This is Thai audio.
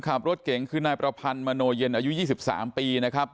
ขับรถเก่งคือนายประพันธ์มโนเย็นอายุ๒๓ปีนะครับ